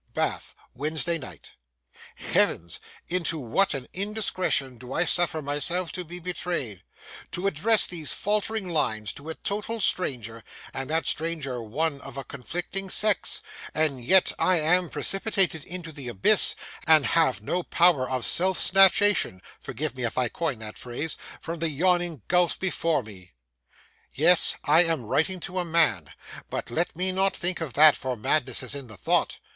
Bath, Wednesday night. Heavens! into what an indiscretion do I suffer myself to be betrayed! To address these faltering lines to a total stranger, and that stranger one of a conflicting sex!—and yet I am precipitated into the abyss, and have no power of self snatchation (forgive me if I coin that phrase) from the yawning gulf before me. Yes, I am writing to a man; but let me not think of that, for madness is in the thought.